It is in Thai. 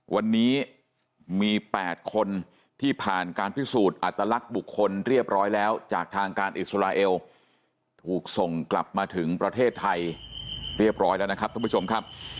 วันนี้มี๘คนที่ผ่านการพิสูจน์อัตลักษณ์บุคคลเรียบร้อยแล้วจากทางการอิสราเอลถูกส่งกลับมาถึงประเทศไทยเรียบร้อยแล้วนะครับท่านผู้ชมครับ